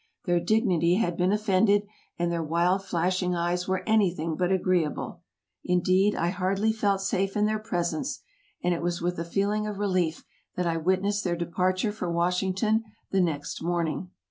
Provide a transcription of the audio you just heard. Their dignity had been offended, and their wild, flashing eyes were anything but agreeable. Indeed, I hardly felt safe in their presence, and it was with a feeling of relief that I witnessed their departure for Washington the next morning.